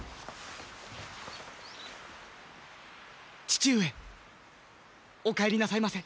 父上お帰りなさいませ！